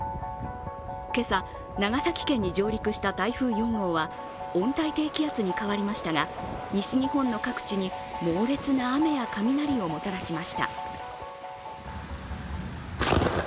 今朝、長崎県に上陸した台風４号は温帯低気圧に変わりましたが西日本の各地に猛烈な雨や雷をもたらしました。